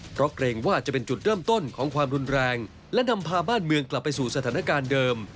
เพราะเกรงว่าจะเป็นจุดเริ่มต้นของความรุนแรงและนำพาบ้านเมืองกลับไปสู่สถานการณ์เดิม